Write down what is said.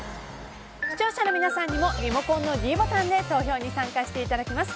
視聴者の皆さんにもリモコンのｄボタンで投票に参加していただけます。